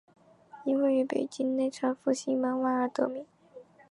因位于北京内城复兴门外而得名。